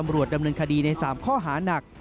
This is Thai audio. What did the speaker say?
ตำรวจดำเนินคดีใน๓ข้อหานัก